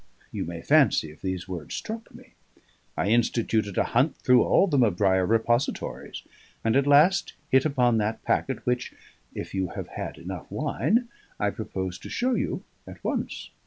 You may fancy if these words struck me: I instituted a hunt through all the M'Brair repositories; and at last hit upon that packet which (if you have had enough wine) I propose to show you at once."